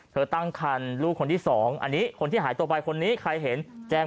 ตั้งคันลูกคนที่สองอันนี้คนที่หายตัวไปคนนี้ใครเห็นแจ้ง